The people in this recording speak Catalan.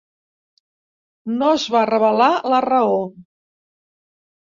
No es va revelar la raó.